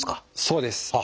そうです。